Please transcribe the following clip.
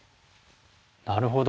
なるほど。